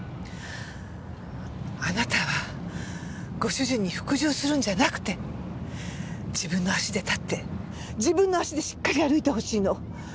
あなたはご主人に服従するんじゃなくて自分の足で立って自分の足でしっかり歩いてほしいの。